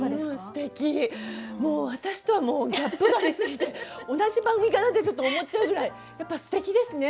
私とはもうギャップがありすぎて同じ番組かな？ってちょっと思っちゃうぐらいやっぱすてきですね。